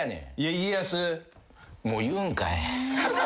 もう言うんかい。